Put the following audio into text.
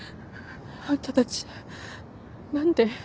あんたたち何で？